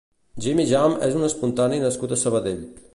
Jimmy Jump és un espontani nascut a Sabadell.